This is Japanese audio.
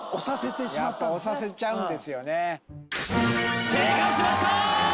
やっぱ押させちゃうんですよね正解しましたー！